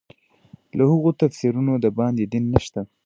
له هغو تفسیرونو د باندې دین نشته.